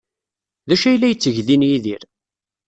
D acu ay la yetteg din Yidir?